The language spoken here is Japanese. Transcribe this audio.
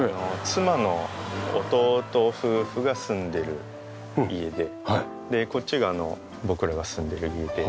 妻の弟夫婦が住んでいる家ででこっちが僕らが住んでいる家で。